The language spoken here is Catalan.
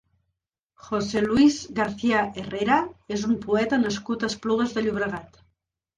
José Luis García Herrera és un poeta nascut a Esplugues de Llobregat.